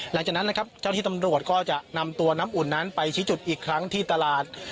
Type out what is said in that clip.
หลังจากนั้นนะครับเจ้าที่ตำรวจก็จะนำตัวน้ำอุ่นนั้นไปชี้จุดอีกครั้งที่ตลาด